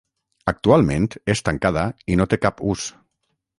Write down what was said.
Actualment és tancada i no té cap ús.